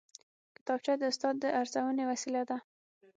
کتابچه د استاد د ارزونې وسیله ده